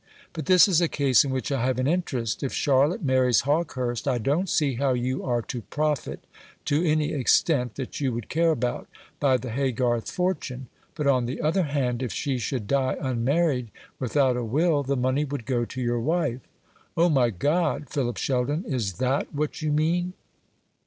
"But this is a case in which I have an interest. If Charlotte marries Hawkehurst, I don't see how you are to profit, to any extent that you would care about, by the Haygarth fortune. But, on the other hand, if she should die unmarried, without a will, the money would go to your wife. O my God! Philip Sheldon, is THAT what you mean?"